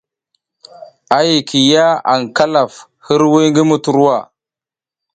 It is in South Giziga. A yikiy ya aƞ Kalaf hiriwiy ngi Muturwa.